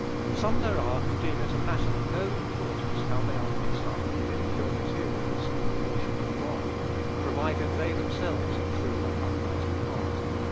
Some there are who deem it a matter of no importance how they are mixed up with impure materials in the worship of God, provided they themselves are true and upright in heart.